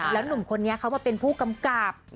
หนุ่มคนนี้เขามาเป็นผู้กำกับ